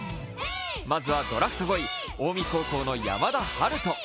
まずはドラフト５位、近江高校の山田陽翔。